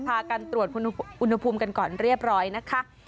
พากันตรวจอุณหภูมิกันก่อนเรียบร้อยนะคะ